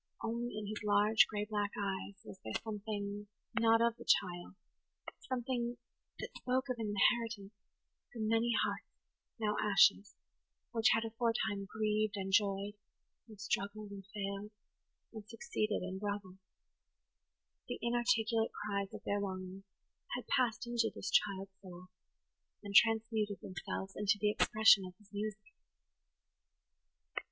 Only in his large, gray black eyes was there something not of the child–something that spoke of an inheritance from many hearts, now ashes, which had aforetime grieved and joyed, and struggled and failed, and succeeded and grovelled. The inarticulate cries of their longings had passed into this child's soul, and transmuted themselves into the expression of his music.